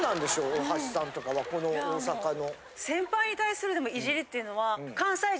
大橋さんとかはこの大阪の。